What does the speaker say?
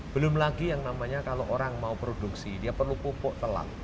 belum lagi yang namanya kalau orang mau produksi dia perlu pupuk telak